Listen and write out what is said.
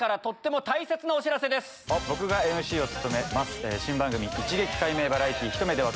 僕がＭＣを務めます新番組。